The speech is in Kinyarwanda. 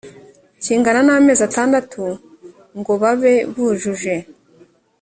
kingana n amezi atandatu ngo babe bujuje